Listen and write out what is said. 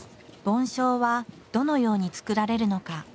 梵鐘はどのようにつくられるのか。